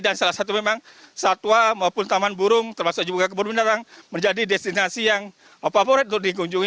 dan salah satu memang satwa maupun taman burung termasuk jembatan kebun binatang menjadi destinasi yang favorit untuk digunjungi